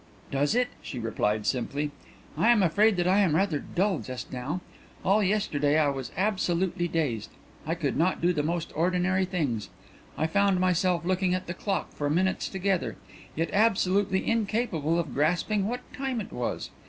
"Does it?" she replied simply. "I am afraid that I am rather dull just now. All yesterday I was absolutely dazed; I could not do the most ordinary things. I found myself looking at the clock for minutes together, yet absolutely incapable of grasping what time it was.